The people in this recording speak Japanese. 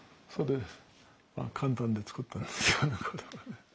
簡単で作ったんですよ。